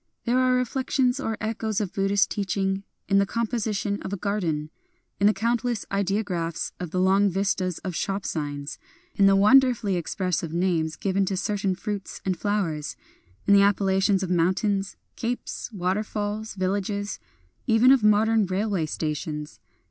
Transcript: There are reflections or echoes of Buddhist teaching in the composition of a garden ;— in the countless ideographs of the long vistas of shop signs ;— in the wonder fully expressive names given to certain fruits and flowers ;— in the appellations of moun tains, capes, waterfalls, villages, — even of modern railway stations.